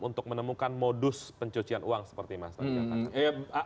untuk menemukan modus pencucian uang seperti yang tadi